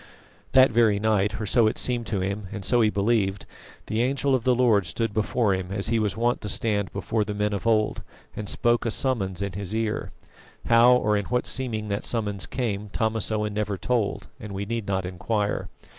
That very night or so it seemed to him, and so he believed the Angel of the Lord stood before him as he was wont to stand before the men of old, and spoke a summons in his ear. How or in what seeming that summons came Thomas Owen never told, and we need not inquire.